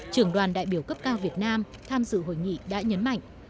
trưởng đoàn đại biểu cấp cao việt nam tham dự hội nghị đã nhấn mạnh